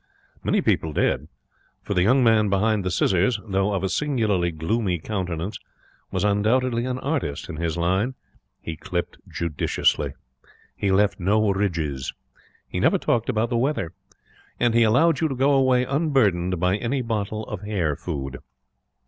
Many people did; for the young man behind the scissors, though of a singularly gloomy countenance, was undoubtedly an artist in his line. He clipped judiciously. He left no ridges. He never talked about the weather. And he allowed you to go away unburdened by any bottle of hair food.